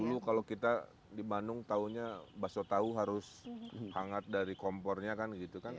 dulu kalau kita di bandung taunya baso tahu harus hangat dari kompornya kan gitu kan